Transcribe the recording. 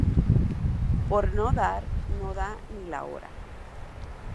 Por no dar, no da ni la hora